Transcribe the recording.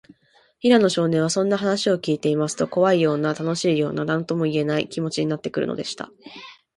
平野少年は、そんな話をきいていますと、こわいような、たのしいような、なんともいえない、気もちになってくるのでした。